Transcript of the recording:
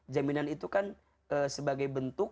jaminan itu kan sebagai bentuk